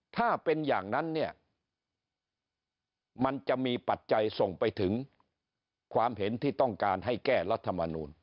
ถ้าเป็นอย่างนั้นเนี่ยมันจะมีปัจจัยส่งไปถึงความเห็นที่ต้องการให้แก้รัฐมนูล